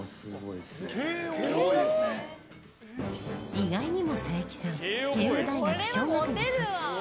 意外にも佐伯さん慶應大学商学部卒。